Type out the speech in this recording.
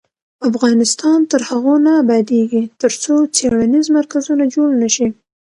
افغانستان تر هغو نه ابادیږي، ترڅو څیړنیز مرکزونه جوړ نشي.